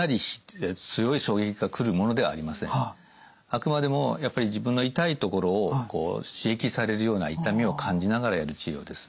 あくまでもやっぱり自分の痛いところをこう刺激されるような痛みを感じながらやる治療です。